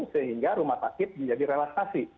sehingga rumah sakit menjadi relaksasi